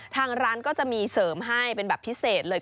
ทางร้านก็จะมีเสริมให้เป็นแบบพิเศษเลย